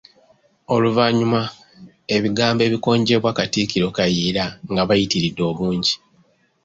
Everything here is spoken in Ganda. Oluvannyuma, ebigambo ebikonjerwa Katikkiro Kayiira nga biyitiridde obungi.